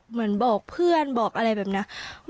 เหมือนบอกเพื่อนบอกอะไรแบบนี้